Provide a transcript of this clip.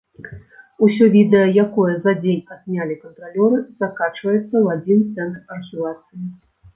Усё відэа, якое за дзень адзнялі кантралёры, закачваецца у адзін цэнтр архівацыі.